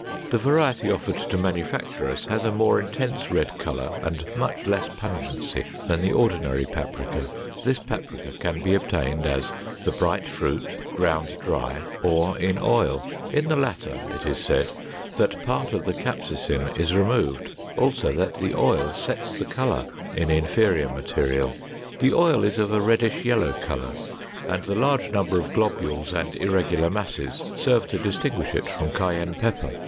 The variety offered to manufacturers has a more intense red color and much less pungency than the ordinary paprika. This paprika can be obtained as the bright fruit, ground dry, or in oil. In the latter, it is said, that part of the capsicin is removed, also that the oil sets the color in inferior material. The oil is of a reddish yellow color and the large number of globules and irregular masses serve to distinguish it from cayenne pepper.